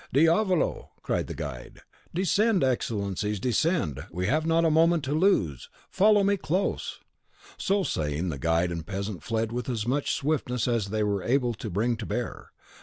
"Diavolo!" cried the guide. "Descend, Excellencies, descend! we have not a moment to lose; follow me close!" So saying, the guide and the peasant fled with as much swiftness as they were able to bring to bear.